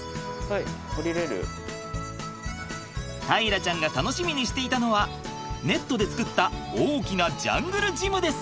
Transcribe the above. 大樂ちゃんが楽しみにしていたのはネットで作った大きなジャングルジムです。